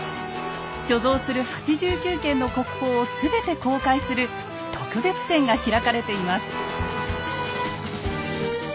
所蔵する８９件の国宝をすべて公開する特別展が開かれています。